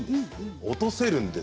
落とせるんです。